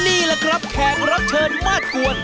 นี่แหละครับแขกรับเชิญมาสกวน